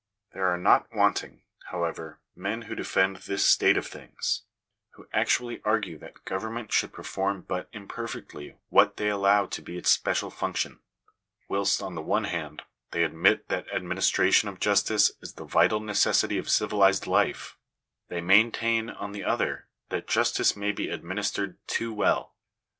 There are not wanting, however, men who defend this state of things — who actually argue that government should perform but imperfectly what they allow to be its special function. Whilst, on the one hand, they admit that administration of jus tice is the vital necessity of civilized life, they maintain, on the other, that justice may be administered too well